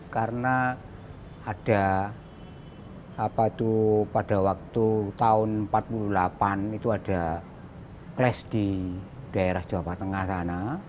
karena ada apa itu pada waktu tahun empat puluh delapan itu ada kelas di daerah jawa tengah sana